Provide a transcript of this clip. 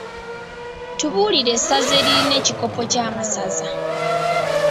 Tubuulire e saza eririna ekikopo ky’amasaza?